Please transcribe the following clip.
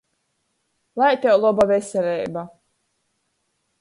Lai tev loba veseleiba!